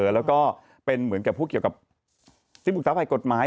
แล้วก็เป็นเหมือนกับพวกเกี่ยวกับที่ปรึกษาภัยกฎหมาย